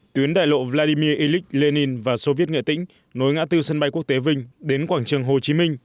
tuyến đại lộ vladimir ilyich lenin và soviet nghệ tĩnh nối ngã tư sân bay quốc tế vinh đến quảng trường hồ chí minh